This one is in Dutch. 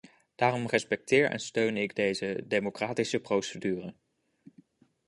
Daarom respecteer en steun ik deze democratische procedure.